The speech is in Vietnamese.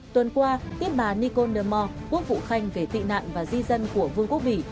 tuần qua tiết bà nicole demau quốc vụ khanh về tị nạn và di dân của vương quốc vĩ